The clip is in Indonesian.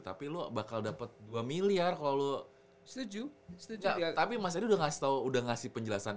tapi lu bakal dapat dua miliar kalau setuju tapi masih udah ngasih tahu udah ngasih penjelasan